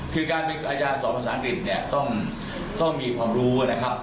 คือการเป็นอาจารย์สอบภาษาอังกฤษเนี่ยต้องมีความรู้นะครับ